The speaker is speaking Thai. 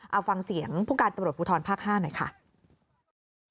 เอาฟังเสียงภูมิการตรวจภูทรภักดิ์๕หน่อยค่ะ